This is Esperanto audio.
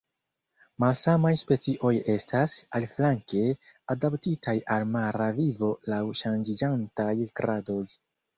Malsamaj specioj estas, aliflanke, adaptitaj al mara vivo laŭ ŝanĝiĝantaj gradoj.